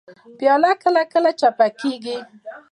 پیاله کله کله چپه کېږي.